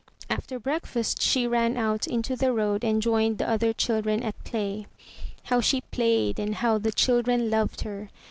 After breakfast she ran out into the road and joined the other children at play. How she played and how the children loved her.